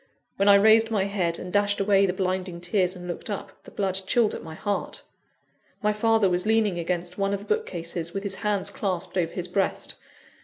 When I raised my head, and dashed away the blinding tears, and looked up, the blood chilled at my heart. My father was leaning against one of the bookcases, with his hands clasped over his breast.